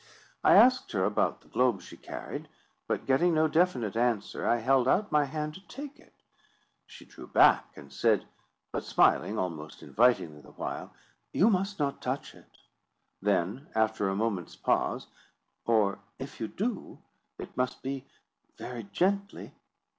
I asked her about the globe she carried, but getting no definite answer, I held out my hand to take it. She drew back, and said, but smiling almost invitingly the while, "You must not touch it;"—then, after a moment's pause—"Or if you do, it must be very gently."